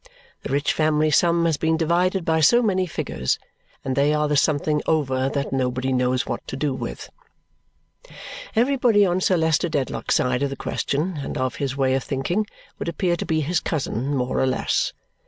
The rich family sum has been divided by so many figures, and they are the something over that nobody knows what to do with. Everybody on Sir Leicester Dedlock's side of the question and of his way of thinking would appear to be his cousin more or less.